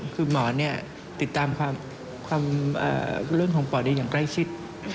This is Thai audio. คือหมอนี่ติดตามความเรื่องของปอดอย่างใกล้ชิด